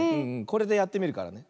これでやってみるからね。